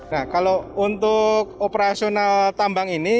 nah kalau untuk operasional tambang ini